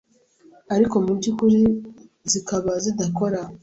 ariko mu by’ukuri zikaba zidakora